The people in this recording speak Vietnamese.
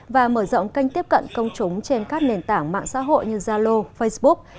và mở rộng kênh tiếp cận công chúng trên các nền tảng mạng xã hội như zalo facebook